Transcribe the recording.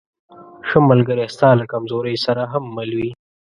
ښه ملګری ستا له کمزورۍ سره هم مل وي.